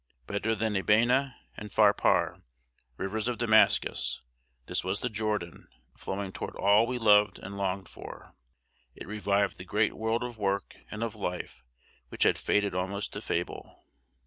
Better than Abana and Pharpar, rivers of Damascus, this was the Jordan, flowing toward all we loved and longed for. It revived the great world of work and of life which had faded almost to fable.